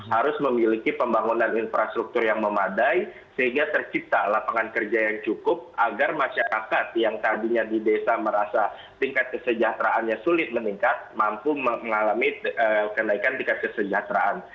harus memiliki pembangunan infrastruktur yang memadai sehingga tercipta lapangan kerja yang cukup agar masyarakat yang tadinya di desa merasa tingkat kesejahteraannya sulit meningkat mampu mengalami kenaikan tingkat kesejahteraan